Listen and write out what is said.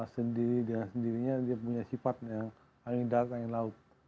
sendiri dengan sendirinya dia punya sifat yang angin darat angin laut